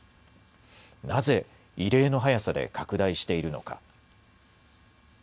なぜ異例の早さで拡大しているのか。